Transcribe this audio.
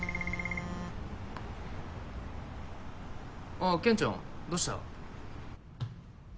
あぁけんちゃんどうした？